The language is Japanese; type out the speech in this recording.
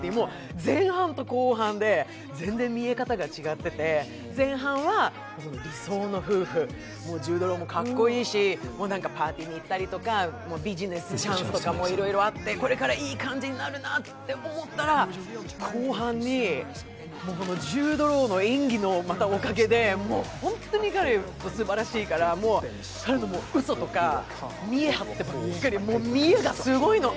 前半と後半で全然見え方が違ってて、前半は、理想の夫婦、ジュード・ロウもかっこいいし、パーティーに行ったりとかビジネスチャンスとかもいっぱいあってこれからいい感じになるなって思ったら、後半に、ジュード・ロウの演技のおかげで、本当に彼、すばらしいから、彼のうそとか見栄がすごいの。